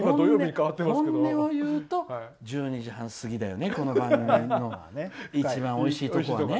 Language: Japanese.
本音を言うと１２時半過ぎだよね、この番組の一番おいしいところはね。